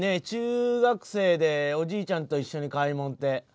中学生でおじいちゃんと一緒に買い物って。